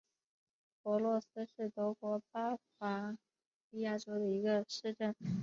弗洛斯是德国巴伐利亚州的一个市镇。